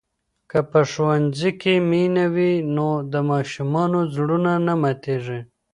که په ښوونځي کې مینه وي نو د ماشومانو زړونه نه ماتېږي.